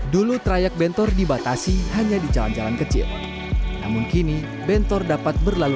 dua ribu tiga belas dulu trayek bentor dibatasi hanya di jalan jalan kecil namun kini bentor dapat berlalu